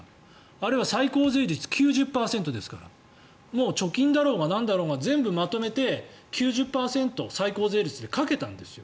あれは最高税率９０％ですからもう貯金だろうがなんだろうが全部まとめて９０％最高税率でかけたんですよ。